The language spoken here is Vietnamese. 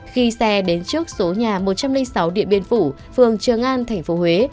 khi xe đến trước số nhà một trăm linh sáu điện biên phủ phường trường an tp huế